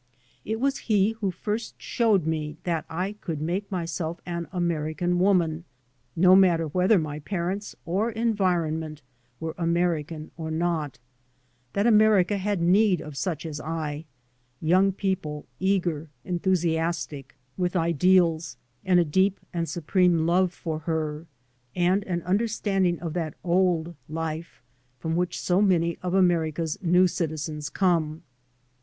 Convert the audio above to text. It was he who first showed me that I could make myself an American woman, no matter whether my parents or environment were American or not, that America had need of such as I, young people eager, enthusiastic, with ideals, and a deep and supreme love for her, and an understanding of that old life from which so many of America's new citi zens come.